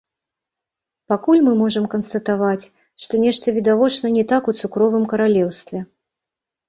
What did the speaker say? Пакуль мы можам канстатаваць, што нешта відавочна не так у цукровым каралеўстве.